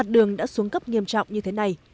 đường đã xuống cấp nghiêm trọng như thế này